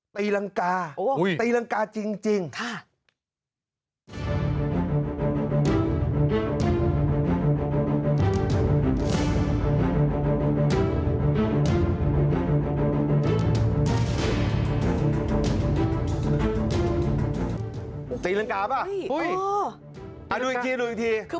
ตีลังกาโอ้โหตีลังกาจริงค่ะ